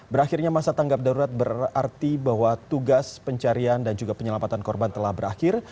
berakhirnya masa tanggap darurat berarti bahwa tugas pencarian dan juga penyelamatan korban telah berakhir